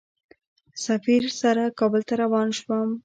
سفیر سره کابل ته روان شوم.